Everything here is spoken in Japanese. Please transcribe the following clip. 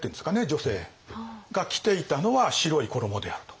女性が着ていたのは白い衣であると。